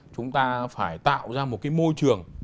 chúng ta phải tạo ra một cái môi trường